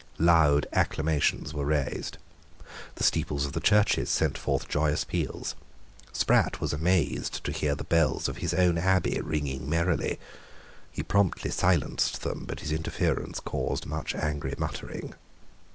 Loud acclamations were raised. The steeples of the churches sent forth joyous peals. Sprat was amazed to hear the bells of his own Abbey ringing merrily. He promptly silenced them: but his interference caused much angry muttering.